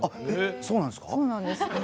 そうなんです。